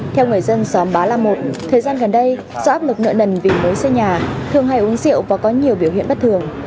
theo người dân xóm bá la một thời gian gần đây do áp lực nợ nần vì mới xây nhà thường hay uống rượu và có nhiều biểu hiện bất thường